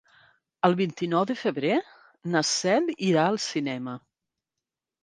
El vint-i-nou de febrer na Cel irà al cinema.